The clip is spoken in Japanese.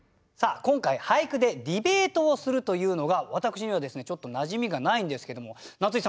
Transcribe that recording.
今回俳句でディベートをするというのが私にはちょっとなじみがないんですけども夏井さん